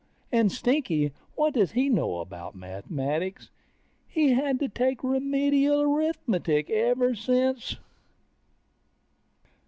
And Stinky, what does he know about mathematics? He's had to take Remedial Arithmetic ever since